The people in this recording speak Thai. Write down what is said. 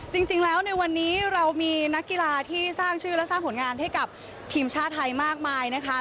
จริงแล้วในวันนี้เรามีนักกีฬาที่สร้างชื่อและสร้างผลงานให้กับทีมชาติไทยมากมายนะคะ